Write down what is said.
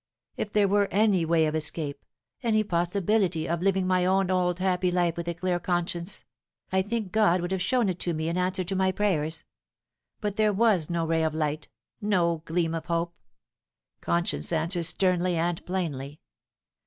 If there were any ^ay of escape any possibility of living my own old happy life with a dear conscience I think God would have shown it to 146 The Fatal Three. me in answer to my prayers ; but there was no ray of light, no gleam of hope. Conscience answers sternly and plainly.